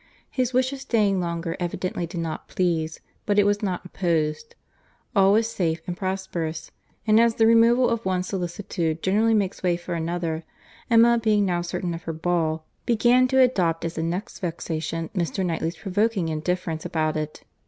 His wish of staying longer evidently did not please; but it was not opposed. All was safe and prosperous; and as the removal of one solicitude generally makes way for another, Emma, being now certain of her ball, began to adopt as the next vexation Mr. Knightley's provoking indifference about it.